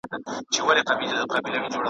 له پیر بابا او له زیارت سره حساب سپینوم .